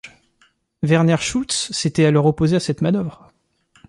Werner Schulz s'était alors opposé à cette manœuvre.